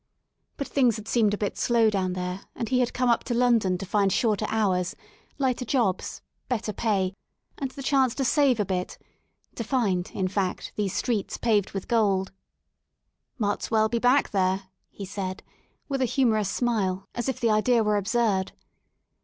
But things had seemed a bit slow down there and he had come up to London io8 LONDON AT LEISURE to find shorter hours, lighter jobs, better pay, and the chance to save a bit — to find, in fact, these streets paved with gold, '' Mart *s well be back there," he said, with a humor ous smile, as if the idea were absurd.